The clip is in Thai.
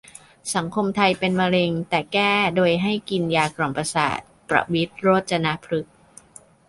สังคมไทยเป็นมะเร็งแต่แก้โดยให้กินยากล่อมประสาท ประวิตร โรจรพฤกษ์